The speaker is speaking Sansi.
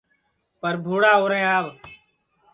پربھوڑا اُرھیں آو